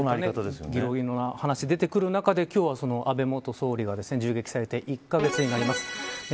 いろいろな話が出てくる中で今日は安倍元総理が銃撃されて１カ月になります。